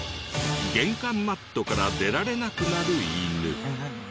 玄関マットから出られなくなる犬。